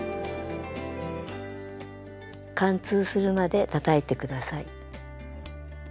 貫通するまでたたいて下さい。